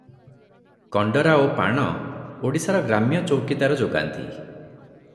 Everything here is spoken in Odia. କଣ୍ଡରା ଓ ପାଣ ଓଡିଶାର ଗ୍ରାମ୍ୟ ଚୌକିଦାର ଯୋଗାନ୍ତି ।